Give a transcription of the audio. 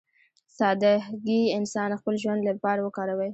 سادهګي انسان خپل ژوند لپاره وکاروي.